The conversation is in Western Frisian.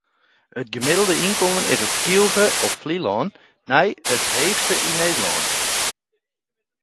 It gemiddelde ynkommen is op Skylge op Flylân nei it heechste yn Nederlân.